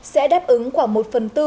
sẽ đáp ứng khoảng một phần tư